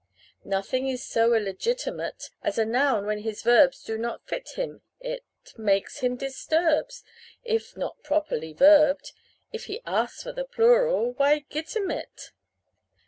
Nothing is so illegitimate As a noun when his verbs do not fit him; it Makes him disturbed If not properly verbed If he asks for the plural, why git him it!